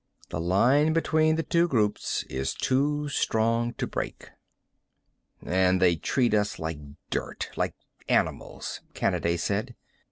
The line between the two groups is too strong to break." "And they treat us like dirt like animals," Kanaday said.